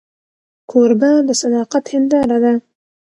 کوربه د صداقت هنداره ده.